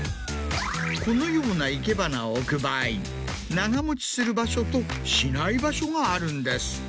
このような生け花を置く場合長持ちする場所としない場所があるんです。